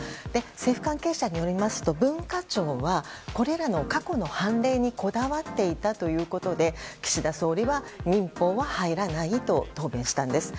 政府関係者によりますと文化庁はこれらの過去の判例にこだわっていたということで岸田総理は民法は入らないと表現したんです。